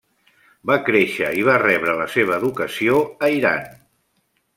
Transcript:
Va créixer i va rebre la seva educació a Iran.